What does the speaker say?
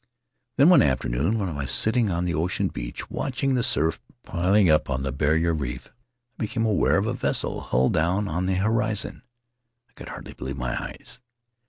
Then one afternoon, when I was sitting on the ocean beach, watching the surf piling up on the barrier reef, I became aware of a vessel, hull down, on the horizon. I could hardly be lieve my eyes.